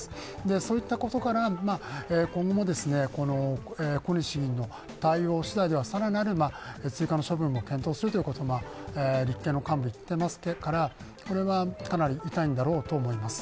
そういったことから、今後も小西議員の対応次第では更なる追加の処分も検討すると立憲の幹部は言ってますからこれはかなり痛いんだろうと思います。